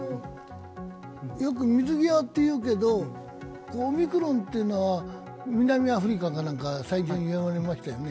よく水際というけれどもオミクロンというのは南アフリカから最近現れましたよね。